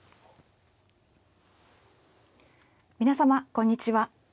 皆様こんにちは。